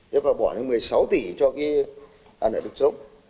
thế phải bỏ một mươi sáu tỷ cho cái nợ đực sống